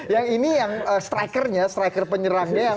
yang ini yang strikernya striker penyerangnya